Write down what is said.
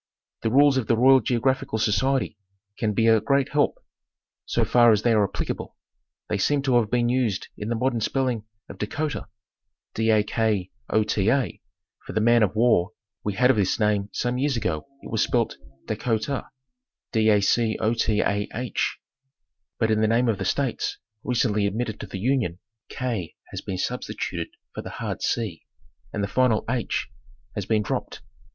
The rules of the Royal Geographical Society can be a great help, so far as they are applicable ; they seem to have been used in the modern spelling of "' Dakota"—for the man of war we had of this name some years ago, it was spelled " Dacotah," but in the name of the States recently admitted to the Union, "k" has been substituted for the hard "c" and the final "h" has been dropped.